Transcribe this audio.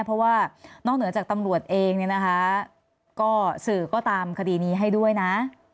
เพราะว่านอกเหนือจากตำรวจเองเนี่ยนะคะก็สื่อก็ตามคดีนี้ให้ด้วยนะ